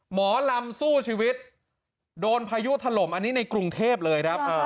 หมอลำสู้ชีวิตโดนพายุถล่มอันนี้ในกรุงเทพเลยครับ